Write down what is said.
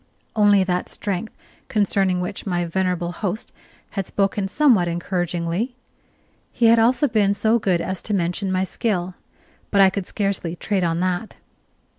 Only that strength concerning which my venerable host had spoken somewhat encouragingly. He had also been so good as to mention my skill; but I could scarcely trade on that.